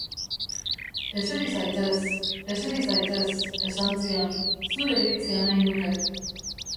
Eseri zaitez, eseri zaitez, esan zion, zure iritzia nahi nuke.